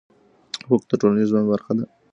حقوق د ټولنيز ژوند برخه ده؟